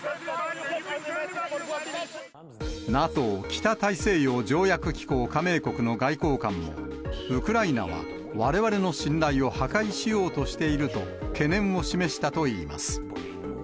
ＮＡＴＯ・北大西洋条約機構加盟国の外交官も、ウクライナはわれわれの信頼を破壊しようとしていると、懸念を示したといいます。